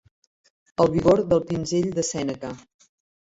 El vigor del pinzell de Sèneca.